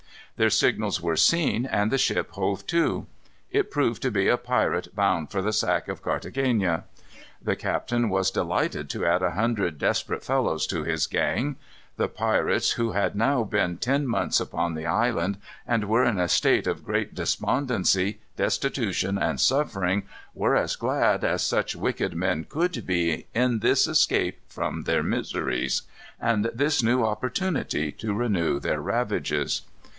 Their signals were seen and the ship hove to. It proved to be a pirate bound for the sack of Carthagena. The captain was delighted to add a hundred desperate fellows to his gang. The pirates, who had now been ten months upon the island, and were in a state of great despondency, destitution, and suffering, were as glad as such wicked men could be in this escape from their miseries, and this new opportunity to renew their ravages.